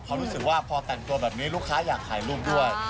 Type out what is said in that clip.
เขารู้สึกปีนแบบนี้ลูกค้าอยากขายรูปด้วย